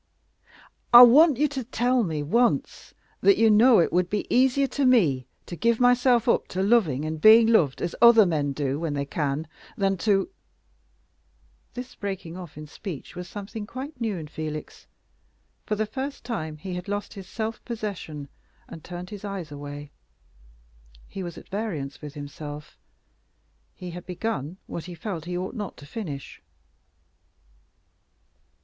"I want you to tell me once that you know it would be easier to me to give myself up to loving and being loved, as other men do, when they can, than to " This breaking off in speech was something quite new in Felix. For the first time he had lost his self possession, and turned his eyes away. He was at variance with himself. He had begun what he felt he ought not to finish.